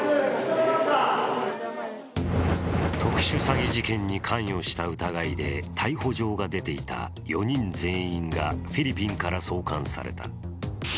特殊詐欺事件に関与した疑いで逮捕状が出ていた４人全員がフィリピンから送還された。